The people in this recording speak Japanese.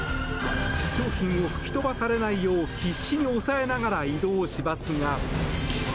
商品を吹き飛ばされないよう必死に押さえながら移動しますが。